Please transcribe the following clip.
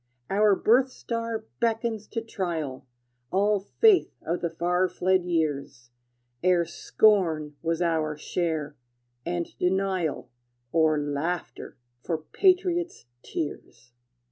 Our birth star beckons to trial All faith of the far fled years, Ere scorn was our share, and denial, Or laughter for patriot's tears.